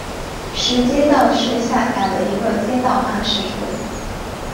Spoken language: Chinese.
石街道是下辖的一个街道办事处。